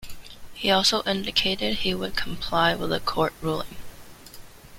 He also indicated he would comply with a court ruling.